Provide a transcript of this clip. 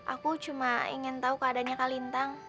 aku cuma ingin tahu keadanya kak lintang